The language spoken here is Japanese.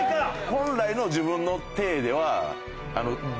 本来の自分の体では。